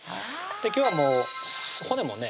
今日はもう骨もね